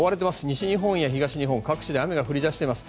西日本や東日本各地で雨が降り出しています。